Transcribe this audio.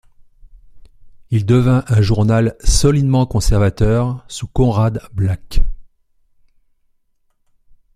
Il devint un journal solidement conservateur sous Conrad Black.